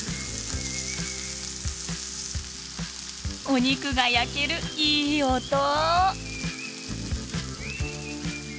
お肉が焼けるいい音。